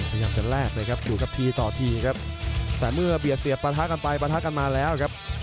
พยายามจะแลกเลยครับอยู่กับทีต่อทีครับแต่เมื่อเบียดเสียบปะทะกันไปปะทะกันมาแล้วครับ